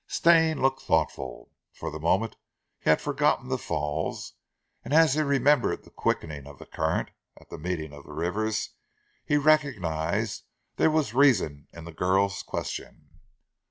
Stane looked thoughtful. For the moment he had forgotten the falls, and as he remembered the quickening of the current at the meeting of the rivers he recognized there was reason in the girl's question.